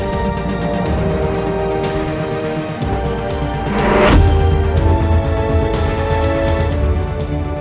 lo takut kehilangan semua fasilitas lo